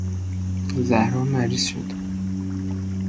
زهرا مریض شد.